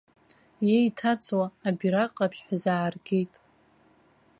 Иеиҭаҵуа абираҟ ҟаԥшь ҳзааргеит.